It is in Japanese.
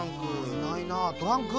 いないなトランク。